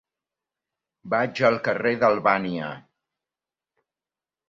Vaig al carrer d'Albània.